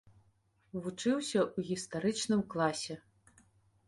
Вучыўся ў гістарычным класе.